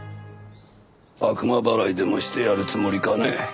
悪魔払いでもしてやるつもりかね？